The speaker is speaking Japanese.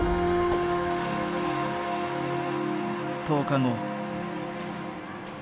１０日後。